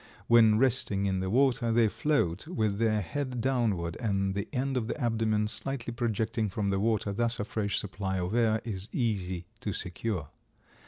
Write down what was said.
When resting in the water they float with their head downward and the end of the abdomen slightly projecting from the water; thus a fresh supply of air is easy to secure.